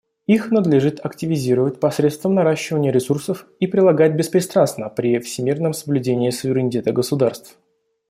Их надлежит активизировать посредством наращивания ресурсов и прилагать беспристрастно, при всемерном соблюдении суверенитета государств.